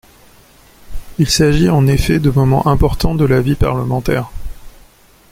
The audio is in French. Il s’agit en effet de moments importants de la vie parlementaire.